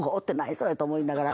それ」と思いながら。